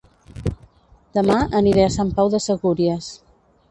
Dema aniré a Sant Pau de Segúries